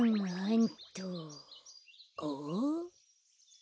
ん？